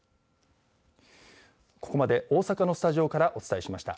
ここまで大阪のスタジオからお伝えしました。